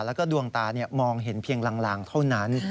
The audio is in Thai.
แล้วก็ดวงตามองเห็นเพียงลางเท่านั้น